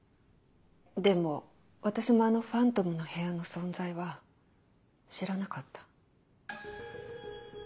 でも私もあのファントムの部屋の存在は知らなかった。